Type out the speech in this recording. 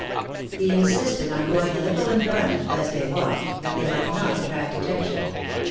He insisted on going a little in front, as they walked, that they might not attract attention.